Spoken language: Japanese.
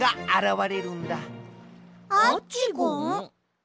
アッチゴン？